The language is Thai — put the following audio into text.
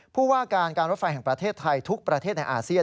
ผู้ว่าการการรถไฟแห่งประเทศไทยทุกประเทศในอาเซียน